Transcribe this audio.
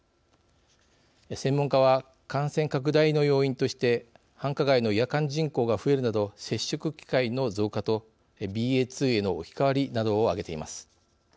専門家は、感染拡大の要因として繁華街の夜間人口が増えるなど接触機会の増加とＢＡ．２への置き換わりなどを挙げています。